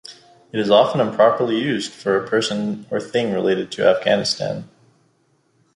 It is often improperly used for a person or thing related to Afghanistan.